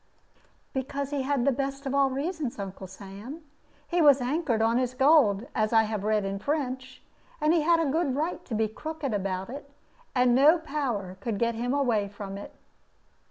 "Because he had the best of all reasons, Uncle Sam. He was anchored on his gold, as I have read in French, and he had a good right to be crooked about it, and no power could get him away from it."